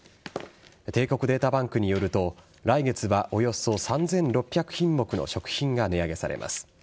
帝国データバンクによると来月はおよそ３６００品目の食品が値上げされます。